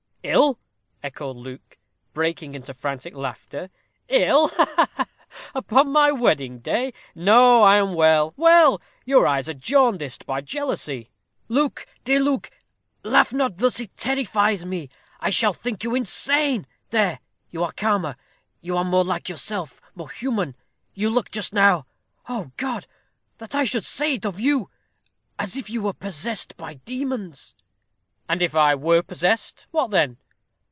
"Ill!" echoed Luke, breaking into frantic laughter. "Ill! Ha, ha! upon my wedding day. No, I am well well. Your eyes are jaundiced by jealousy." "Luke, dear Luke, laugh not thus. It terrifies me. I shall think you insane. There, you are calmer you are more like yourself more human. You looked just now oh God! that I should say it of you as if you were possessed by demons." "And if I were possessed, what then?"